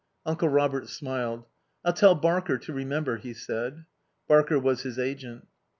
Uncle Robert smiled. "I'll tell Barker to remember," he said. Barker was his agent.